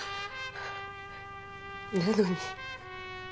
なのに。